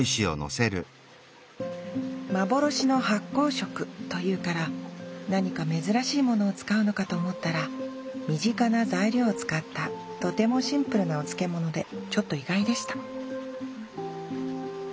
幻の発酵食というから何か珍しいものを使うのかと思ったら身近な材料を使ったとてもシンプルなお漬物でちょっと意外でした